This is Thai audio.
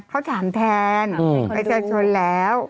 เขาถามแทนไปเจอชนแล้ว